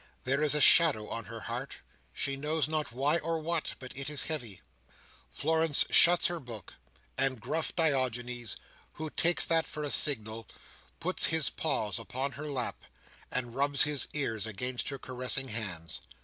There is a shadow on her heart: she knows not why or what: but it is heavy. Florence shuts her book, and gruff Diogenes, who takes that for a signal, puts his paws upon her lap, and rubs his ears against her caressing hands.